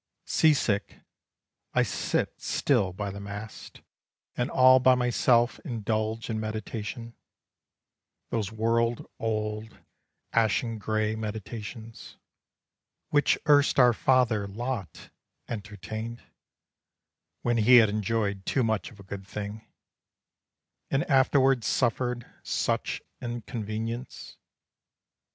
Sea sick I still sit by the mast And all by myself indulge in meditation, Those world old ashen gray meditations, Which erst our father Lot entertained, When he had enjoyed too much of a good thing, And afterward suffered such inconvenience.